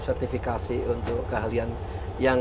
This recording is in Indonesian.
sertifikasi untuk keahlian yang